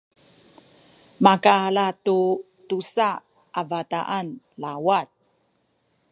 makaala tu tusa a bataan lawat